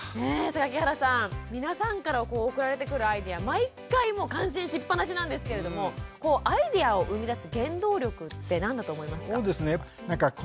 榊原さん皆さんから送られてくるアイデア毎回感心しっぱなしなんですけれどもアイデアを生み出す原動力って何だと思いますか？